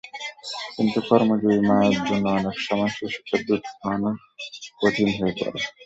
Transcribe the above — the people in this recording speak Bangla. কিন্তু কর্মজীবী মায়েদের জন্য অনেক সময় শিশুকে দুধ খাওয়ানো কঠিন হয়ে পড়ে।